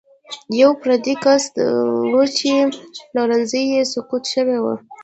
یو پردی کس و چې پلورنځی یې سقوط شوی و.